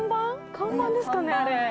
看板ですかねあれ。